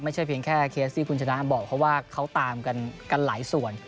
ไม่ใช่เพียงแค่เคสที่คุณชนะบอกเพราะว่าเขาตามกันหลายส่วน